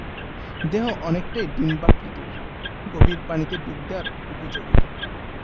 দেহ অনেকটাই ডিম্বাকৃতির, গভীর পানিতে ডুব দেওয়ার উপযোগী।